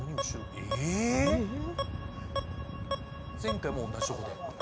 前回も同じとこで？